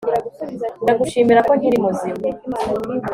Ndagushimira ko nkiri muzima